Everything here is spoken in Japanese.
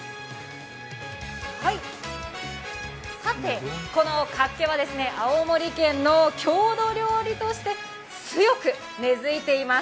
さて、このかっけは青森県の郷土料理として強く根づいています。